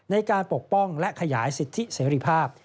ปกป้องและขยายสิทธิเสรีภาพ